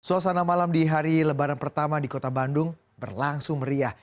suasana malam di hari lebaran pertama di kota bandung berlangsung meriah